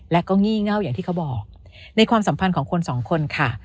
และก็งี่เง่าอย่างที่เขาบอกในความสัมพันธ์ของคนสองคนค่ะ